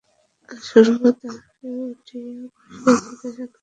সুরমা তাহাকে উঠাইয়া বসাইয়া জিজ্ঞাসা করিল, কী হইয়াছে, বিভা?